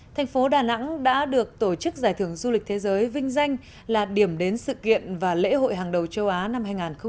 thành phố đà nẵng đã được tổ chức giải thưởng du lịch thế giới vinh danh là điểm đến sự kiện và lễ hội hàng đầu châu á năm hai nghìn hai mươi bốn